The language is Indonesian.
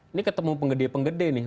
ini ketemu penggede penggede nih